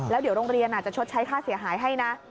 แล้วเดี๋ยวโรงเรียนอาจจะชดใช้ค่าเสียหายให้นะ